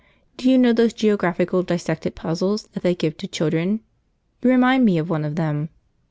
Do you know those geographical dissected puzzles that they give to children? You remind me of one of them.